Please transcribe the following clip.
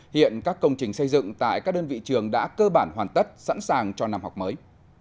hiện các công trình xây dựng tại các đơn vị trường đã cơ bản hoàn tất sẵn sàng cho năm học mới